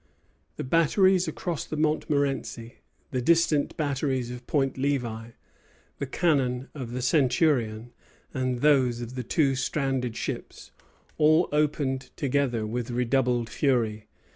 The batteries across the Montmorenci, the distant batteries of Point Levi, the cannon of the "Centurion," and those of the two stranded ships, all opened together with redoubled fury.